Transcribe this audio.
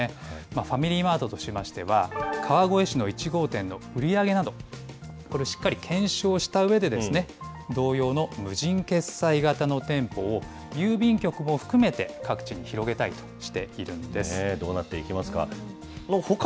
ファミリーマートとしましては、川越市の１号店の売り上げなど、これ、しっかり検証したうえで、同様の無人決済型の店舗を、郵便局も含めて、各地に広げたいとしどうなっていきますか。